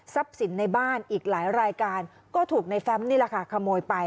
สินในบ้านอีกหลายรายการก็ถูกในแฟมนี่แหละค่ะขโมยไป